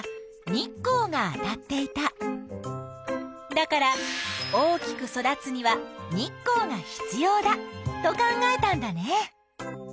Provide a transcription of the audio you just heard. だから大きく育つには日光が必要だと考えたんだね。